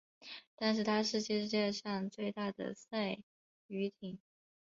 当时她是世界最大的赛渔艇。